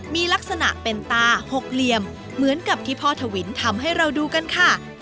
มีลักษณะเป็นตาหกเหลี่ยมเหมือนกับที่พ่อทวินทำให้เราดูกันค่ะ